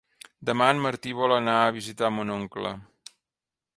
Demà en Martí vol anar a visitar mon oncle.